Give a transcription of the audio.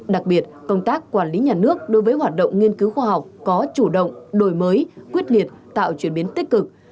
đặc biệt công tác quản lý nhà nước đối với hoạt động nghiên cứu khoa học có chủ động đổi mới quyết liệt tạo chuyển biến tích cực